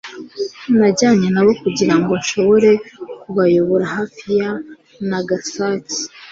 Najyanye nabo kugirango nshobore kubayobora hafi ya Nagasaki.